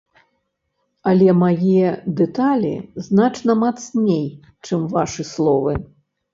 Але мае дэталі значна мацней, чым вашы словы.